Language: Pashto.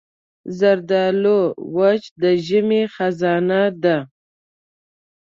زردالو وچ د ژمي خزانه ده.